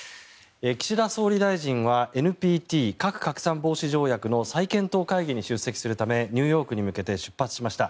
岸田総理大臣はＮＰＴ・核拡散防止条約の再検討会議に出席するためニューヨークに向けて出発しました。